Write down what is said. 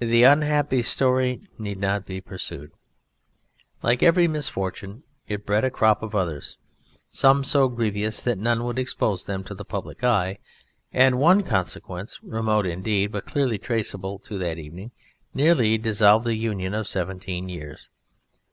The unhappy story need not be pursued. Like every misfortune it bred a crop of others, some so grievous that none would expose them to the public eye, and one consequence remote indeed but clearly traceable to that evening nearly dissolved a union of seventeen years.